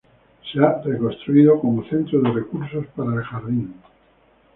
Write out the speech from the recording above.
Se ha reconstruido como centro de recursos para el jardín.